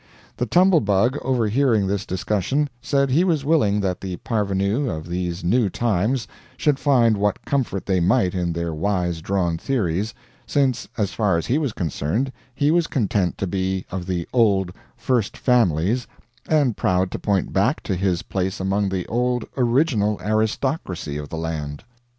The Tumble Bug, overhearing this discussion, said he was willing that the parvenus of these new times should find what comfort they might in their wise drawn theories, since as far as he was concerned he was content to be of the old first families and proud to point back to his place among the old original aristocracy of the land.